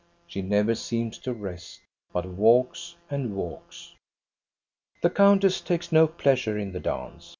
She never seems to rest, but walks and walks. The countess takes no pleasure in the dance.